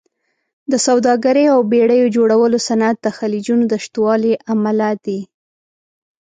د سوداګرۍ او بېړیو جوړولو صنعت د خلیجونو د شتوالي امله دی.